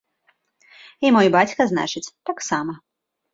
І мой бацька, значыць, таксама.